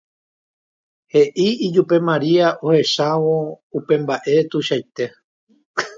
he'i ijupe Maria ohechávo upe mba'e guasuete.